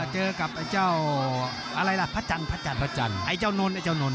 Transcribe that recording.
เจอกับไอ้เจ้าพระจันทร์ไอ้เจ้านนทร์